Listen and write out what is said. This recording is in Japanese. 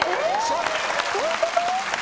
どういうこと？